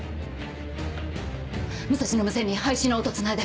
武蔵の無線に配信の音をつないで。